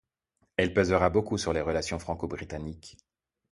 Elle pèsera beaucoup sur les relations franco-britanniques.